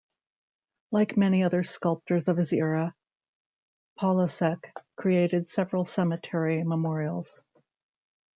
Like many other sculptors of his era, Polasek created several cemetery memorials.